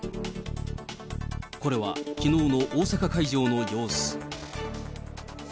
これはきのうの大阪会場の様子。